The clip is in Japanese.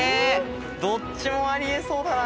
どっちもあり得そうだな。